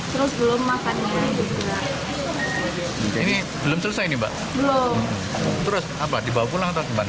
terus belum makan ini belum selesai ini mbak belum terus apa dibawa pulang atau gimana